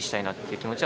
気持ちが。